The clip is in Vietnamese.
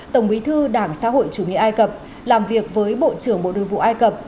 tổng bí thư đảng xã hội chủ nghĩa ai cập làm việc với bộ trưởng bộ đội vụ ai cập